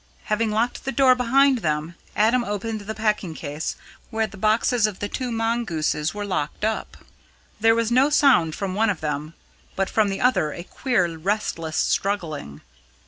Having locked the door behind them, Adam opened the packing case where the boxes of the two mongooses were locked up. There was no sound from one of them, but from the other a queer restless struggling.